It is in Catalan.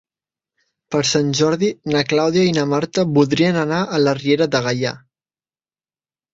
Per Sant Jordi na Clàudia i na Marta voldrien anar a la Riera de Gaià.